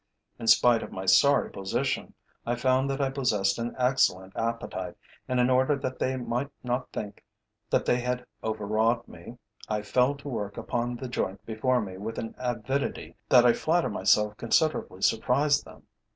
In spite of my sorry position, I found that I possessed an excellent appetite and, in order that they might not think that they had overawed me, I fell to work upon the joint before me with an avidity that I flatter myself considerably surprised them.